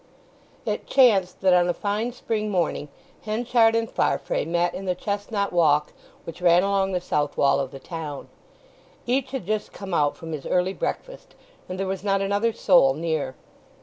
It chanced that on a fine spring morning Henchard and Farfrae met in the chestnut walk which ran along the south wall of the town. Each had just come out from his early breakfast, and there was not another soul near.